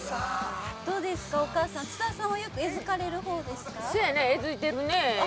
お母さん、津田さんはよくえずかれるほうですか？